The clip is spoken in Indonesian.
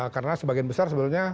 karena sebagian besar sebelumnya